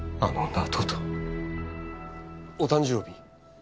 お誕生日？